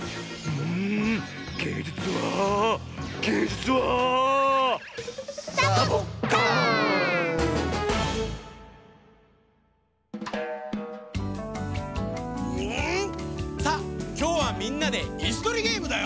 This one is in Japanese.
うん！さあきょうはみんなでいすとりゲームだよ。